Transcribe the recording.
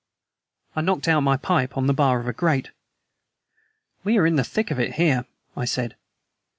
I knocked out my pipe on a bar of the grate. "We are in the thick of it here," I said.